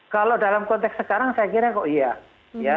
kalau dalam konteks sekarang saya kira kok iya